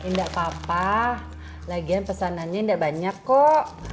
gak apa apa lagian pesanannya gak banyak kok